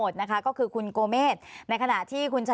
โทษทีค่ะ